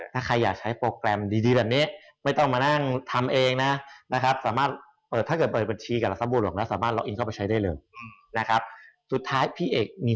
ถ้าใครอยากใช้โปรแกรมดีแบบนี้